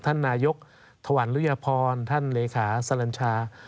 ท่านนายกธวรรณรุยภรท่านเหลขาสรรชา